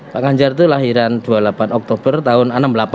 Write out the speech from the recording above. pak ganjar itu lahiran dua puluh delapan oktober tahun enam puluh delapan